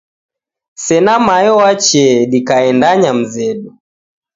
Sena mayo wachee dikaendanya mzedu